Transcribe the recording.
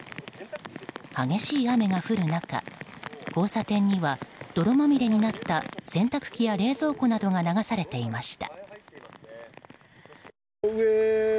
激しい雨が降る中、交差点には泥まみれになった洗濯機や冷蔵庫などが流されていました。